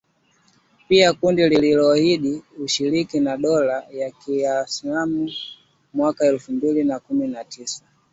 Pia kundi liliahidi ushirika na Dola ya kiislamu mwaka elfu mbili na kumi na tisa.